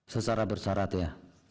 secara bersarat ya